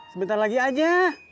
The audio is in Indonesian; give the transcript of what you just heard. sebentar lagi aja